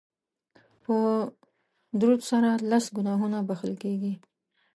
په درود سره لس ګناهونه بښل کیږي